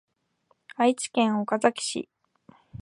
愛知県岡崎市